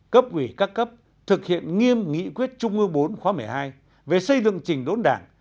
cấp ủy các cấp thực hiện nghiêm nghị quyết trung ương bốn khóa một mươi hai về xây dựng trình đốn đảng